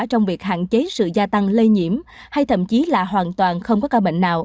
trong việc hạn chế sự gia tăng lây nhiễm hay thậm chí là hoàn toàn không có ca bệnh nào